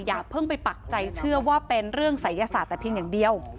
อย่าเพิ่งไปปักใจเชื่อว่าเป็นเรื่องศัยศาสตร์แต่เพียงอย่างเดียว